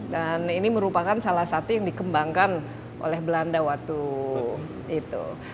dan ini merupakan salah satu yang dikembangkan oleh belanda waktu itu